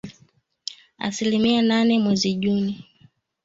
Asilimia nane mwezi Juni.